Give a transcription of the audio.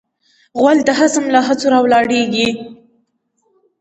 غول د هضم له هڅو راولاړیږي.